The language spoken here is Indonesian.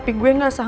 masuk ke dalam